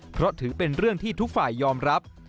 เพราะถือเป็นเรื่องที่ทุกฝ่ายยอมรับ